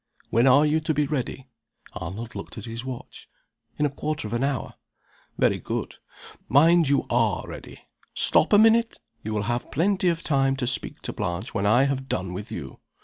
"When are you to be ready?" Arnold looked at his watch. "In a quarter of an hour." "Very good. Mind you are ready. Stop a minute! you will have plenty of time to speak to Blanche when I have done with you.